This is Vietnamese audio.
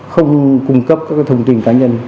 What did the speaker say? không cung cấp các thông tin cá nhân